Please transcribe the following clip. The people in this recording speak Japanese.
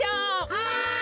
はい！